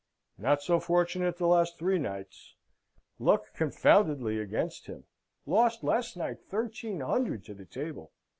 "Not so fortunate the last three nights. Luck confoundedly against him. Lost, last night, thirteen hundred to the table.